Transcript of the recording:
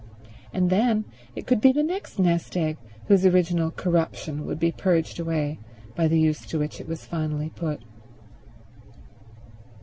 And then it could be the next nest egg whose original corruption would be purged away by the use to which it was finally put.